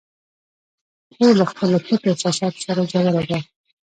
خور له خپلو پټو احساساتو سره ژوره ده.